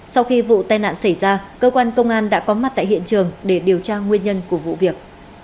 sau khi vụ tai nạn xảy ra cơ quan công an đã có mặt tại hiện trường để điều tra nguyên nhân của vụ việc